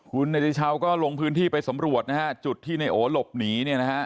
คุณนายจีชาวก็ลงพื้นที่ไปสำรวจจุดที่ในโอหลบหนี